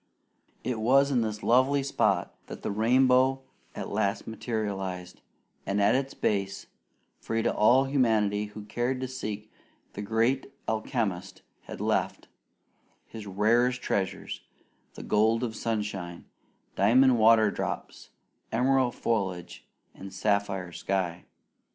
It was in this lovely spot that the rainbow at last materialized, and at its base, free to all humanity who cared to seek, the Great Alchemist had left His rarest treasures the gold of sunshine, diamond water drops, emerald foliage, and sapphire sky.